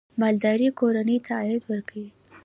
مالداري کورنۍ ته عاید ورکوي.